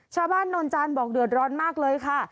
ชาวบ้านนนท์จานบอกเดือดร้อนมากเลยค่ะ